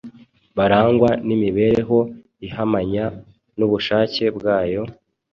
barangwa n’imibereho ihamanya n’ubushake bwayo,